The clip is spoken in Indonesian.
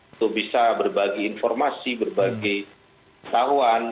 untuk bisa berbagi informasi berbagi tahuan